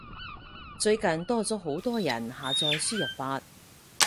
最近多咗好多人下載輸入法